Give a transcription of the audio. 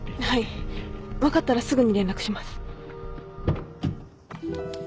分かったらすぐに連絡します。